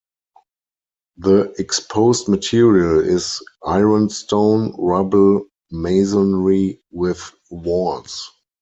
The exposed material is ironstone rubble masonry, with walls.